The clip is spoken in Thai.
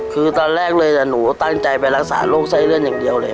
คือตอนแรกเลยหนูตั้งใจไปรักษาโรคไส้เลื่อนอย่างเดียวเลย